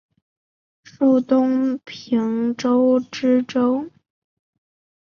授东平州知州。